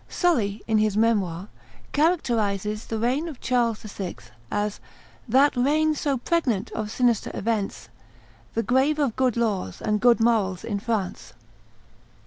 Sully, in his Memoirs, characterizes the reign of Charles VI. as "that reign so pregnant of sinister events, the grave of good laws and good morals in France."